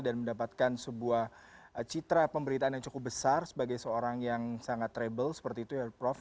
dan mendapatkan sebuah citra pemberitaan yang cukup besar sebagai seorang yang sangat rebel seperti itu ya prof